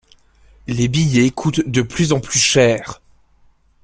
Les billets coûtent de plus en plus cher.